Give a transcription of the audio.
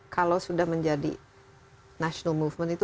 kalau sudah menjadi national movement itu